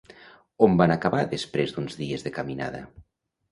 On van acabar després d'uns dies de caminada?